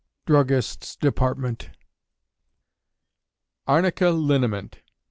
DRUGGISTS' DEPARTMENT. _Arnica Liniment.